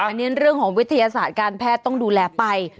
อันนี้เรื่องของวิทยาศาสตร์การแพทย์ต้องดูแลไป